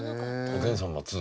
「おげんさん」も２。